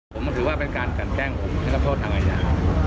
ผมถือว่าเป็นการกันแกล้งผมได้รับโทษทางอาญา